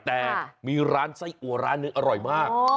แต่มีร้านไส้อัวร้านหนึ่งอร่อยมาก